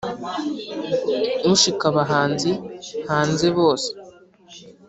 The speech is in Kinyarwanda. ushika abahanzi hanze bose